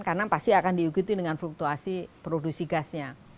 karena pasti akan diugiti dengan fluktuasi produksi gasnya